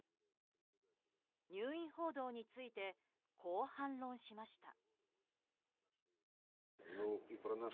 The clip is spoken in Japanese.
入院報道についてこう反論しました。